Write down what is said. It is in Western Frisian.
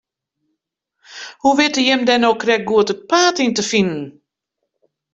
Hoe witte jim dêr no krekt goed it paad yn te finen?